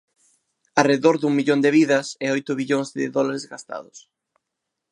Arredor dun millón de vidas e oito billóns de dólares gastados.